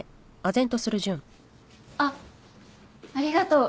あっありがとう